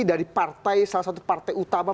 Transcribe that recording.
dari partai salah satu partai utama